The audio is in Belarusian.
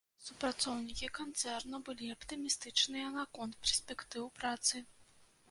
Супрацоўнікі канцэрну былі аптымістычныя наконт перспектыў працы.